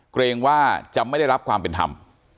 เกรงว่าจะไม่ได้รับความเป็นธรรม